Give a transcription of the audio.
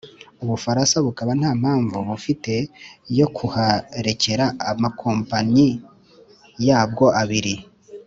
u bufaransa bukaba nta mpamvu bufite yo kuharekera amakompanyi yabwo abiri.